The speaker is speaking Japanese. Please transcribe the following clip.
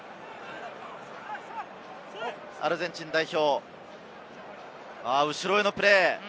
アルゼンチン代表、後ろへのプレー。